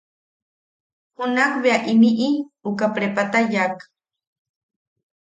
Junak bea imiʼi uka prepata yaʼak.